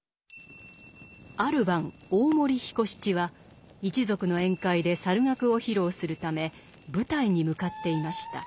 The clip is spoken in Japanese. ある晩大森彦七は一族の宴会で猿楽を披露するため舞台に向かっていました。